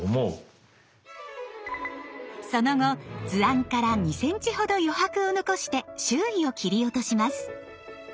その後図案から２ｃｍほど余白を残して周囲を切り落とします。